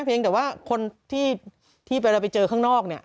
เพียงแต่ว่าคนที่เวลาไปเจอข้างนอกเนี่ย